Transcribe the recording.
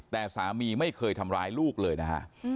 แต่สามีไม่เคยทำร้ายลูกเลยนะฮะ